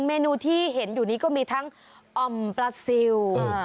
เมนูที่เห็นอยู่นี้ก็มีทั้งอ่อมปลาซิล